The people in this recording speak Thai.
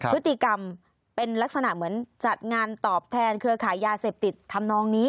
พฤติกรรมเป็นลักษณะเหมือนจัดงานตอบแทนเครือขายยาเสพติดทำนองนี้